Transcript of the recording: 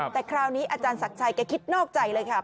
แต่คราวนี้อาจารย์ศักดิ์ชัยแกคิดนอกใจเลยค่ะ